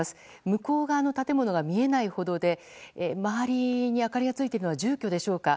向こう側の建物が見えないほどで周りに明かりがついているのは住居でしょうか。